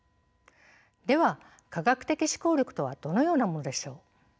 では科学的思考力とはどのようなものでしょう？